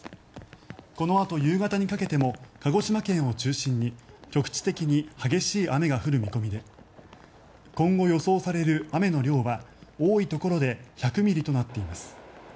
このあと夕方にかけても鹿児島県を中心に局地的に激しい雨が降る見込みで今後予想される雨の量は多いところで１００ミリとなっています。